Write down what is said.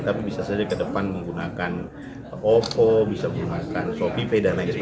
tapi bisa saja ke depan menggunakan ovo bisa menggunakan shopee dan lain sebagainya